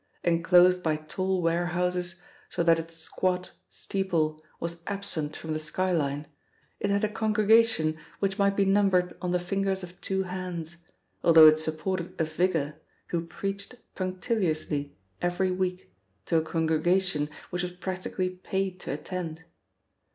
Enclosed by tall warehouses, so that its squat steeple was absent from the sky line, it had a congregation which might be numbered on the fingers of two hands, although it supported a vicar who preached punctiliously every week to a congregation which was practically paid to attend.